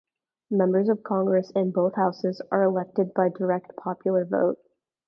Members of Congress in both houses are elected by direct popular vote.